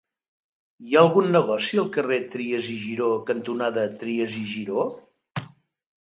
Hi ha algun negoci al carrer Trias i Giró cantonada Trias i Giró?